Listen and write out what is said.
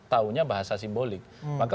taunya bahasa simbolik maka